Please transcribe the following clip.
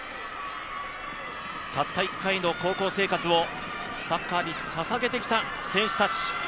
たった１回の高校生活をサッカーにささげてきた選手たち。